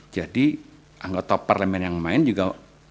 jadi anggota parlimen yang main juga